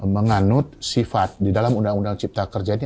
menganut sifat di dalam undang undang cipta kerja ini